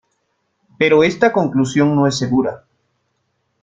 Pero esta conclusión no es segura.